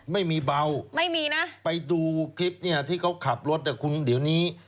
ไม่มีเบาไม่มีนะไปดูคลิปเนี่ยที่เขาขับรถแต่คุณเดี๋ยวนี้